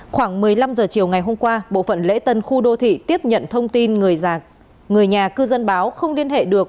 khoảng một mươi năm h chiều ngày hôm qua bộ phận lễ tân khu đô thị tiếp nhận thông tin người nhà cư dân báo không liên hệ được